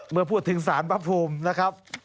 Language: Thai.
เมื่อพูดถึงสารพระภูมินะครับ